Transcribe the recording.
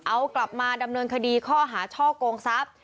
เอากลับมาดำเนินคดีข้ออาหารช่อโกงซับ